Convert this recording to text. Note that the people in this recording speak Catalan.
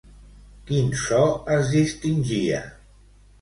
Quin so es distingia?